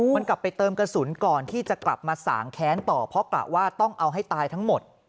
มันกลับไปเติมกระสุนก่อนที่จะกลับมาสางแค้นต่อเพราะกะว่าต้องเอาให้ตายทั้งหมด